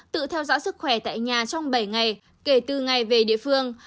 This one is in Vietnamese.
tự theo dõi sức khỏe tại nhà trong bảy ngày kể từ ngày về địa phương